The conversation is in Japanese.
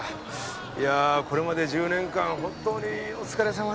いやこれまで１０年間本当にお疲れさまでした。